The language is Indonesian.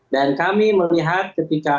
dan kami melihat ketika